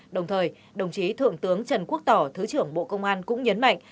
đồng thời đồng chí thượng tướng trần quốc tỏ thứ trưởng bộ công an cũng nhấn mạnh